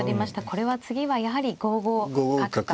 これは次はやはり５五角か。